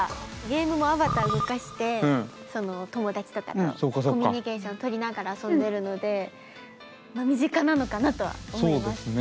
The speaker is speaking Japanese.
ゲームもアバター動かして友達とかとコミュニケーションとりながら遊んでるのでまあ身近なのかなとは思います。